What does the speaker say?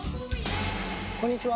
こんにちは。